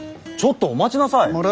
ちょっとお待ちなさい。